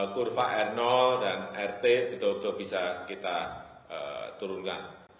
kurva r dan rt itu sudah bisa kita turunkan